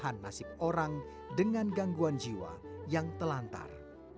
sebagai sebuah perubahan nasib orang dengan gangguan jiwa yang telantar